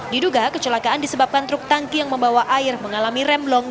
diduga kecelakaan disebabkan truk tangki yang membawa air mengalami remblong